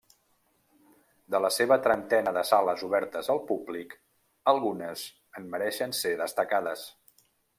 De la seva trentena de sales obertes al públic, algunes en mereixen ser destacades.